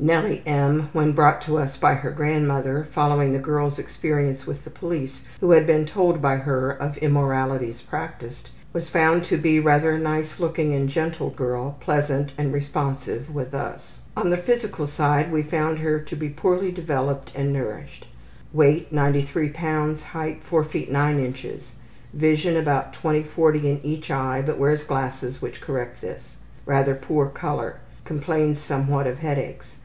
Nellie M., when brought to us by her grandmother, following the girl's experience with the police who had been told by her of immoralities practiced, was found to be rather a nice looking and gentle girl, pleasant and responsive with us. On the physical side we found her to be poorly developed and nourished. Weight 93 lbs.; height 4 ft. 9 in. Vision about 20/40 in each eye, but wears glasses which correct this. Rather poor color. Complains somewhat of headaches.